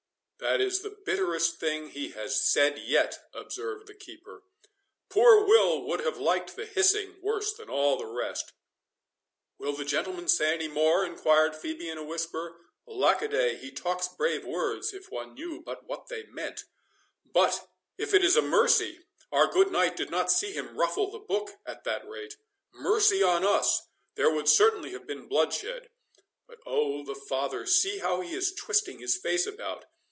"That is the bitterest thing he has said yet," observed the keeper. "Poor Will would have liked the hissing worse than all the rest." "Will the gentleman say any more?" enquired Phœbe in a whisper. "Lack a day, he talks brave words, if one knew but what they meant. But it is a mercy our good knight did not see him ruffle the book at that rate—Mercy on us, there would certainly have been bloodshed.—But oh, the father—see how he is twisting his face about!